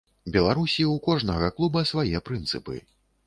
Беларусі, у кожнага клуба свае прынцыпы.